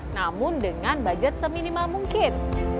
namun dengan budget seminimal mungkin